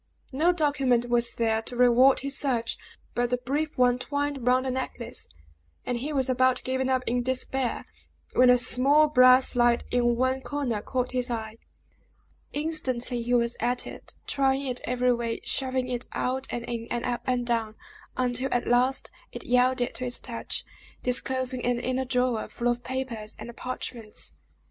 No document was there to reward his search, but the brief one twined round the necklace; and he was about giving up in despair, when a small brass slide in one corner caught his eye. Instantly he was at it, trying it every way, shoving it out and in, and up and down, until at last it yielded to his touch, disclosing an inner drawer, full of papers and parchments.